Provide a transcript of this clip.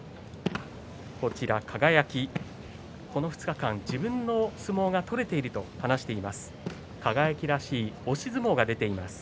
輝この２日間、自分の相撲が取れていると話しています。